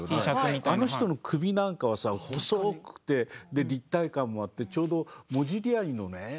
あの人の首なんかはさ細くてで立体感もあってちょうどモディリアーニのね